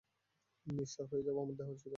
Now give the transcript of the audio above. নিঃসাড় হয়ে যায় আমার দেহ, আমার শিরা-উপশিরা।